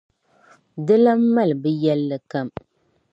di lan mali bɛ yɛlli kam.